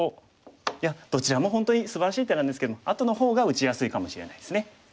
いやどちらも本当にすばらしい手なんですけれどもあとの方が打ちやすいかもしれないですね。